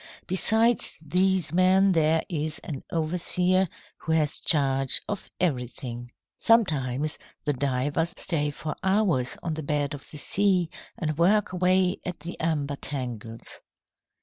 Besides these men there is an overseer who has charge of everything. "Sometimes the divers stay for hours on the bed of the sea, and work away at the amber tangles."